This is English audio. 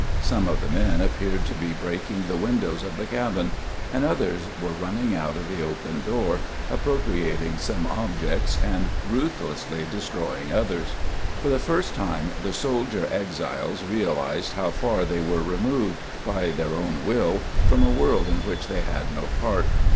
Some of the men appeared to be breaking the windows of the cabin, and others were running out of the open door, appropriating some objects and ruthlessly destroying others. For the first time the soldier exiles realized how far they were removed, by their own will, from a world in which they had no part.